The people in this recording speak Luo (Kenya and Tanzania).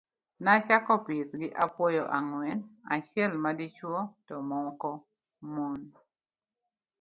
Nachako pith gi apuoyo ang'wen, achiel madichuo to moko mamon.